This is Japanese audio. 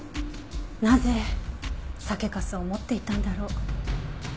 なぜ酒粕を持っていたんだろう？